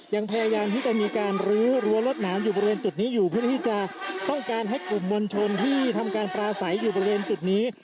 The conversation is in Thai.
ยังพยายามที่จะมีการรื้อรั้วรวดหนามอยู่บริเวณจุดนี้อยู่เพื่อที่จะต้องการให้กลุ่มมวลชนที่ทำการปราศัยอยู่บริเวณจุดนี้